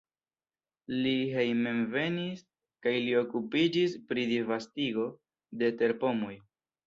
Li hejmenvenis kaj li okupiĝis pri disvastigo de terpomoj.